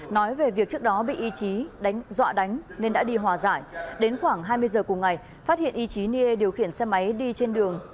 nói về việc trước đó bị y chí đánh dọa đánh nên đã đi hòa giải đến khoảng hai mươi giờ cùng ngày phát hiện y chí niê điều khiển xe máy đi trên đường